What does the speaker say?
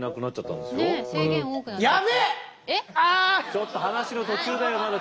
ちょっと話の途中だよまだ。